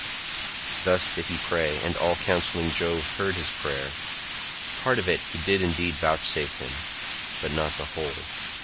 Thus did he pray, and all counselling Jove heard his prayer. Part of it he did indeed vouchsafe him—but not the whole.